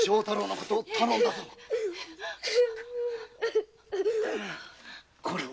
ここれを。